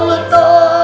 apa apa gitu ya